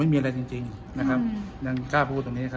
ขอแย่เดียวคำหนี้นี่นะครับที่เราอยากพูดอะไรนะฮะ